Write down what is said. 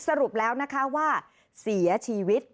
สรุปแล้วนะคะว่าเสียชีวิต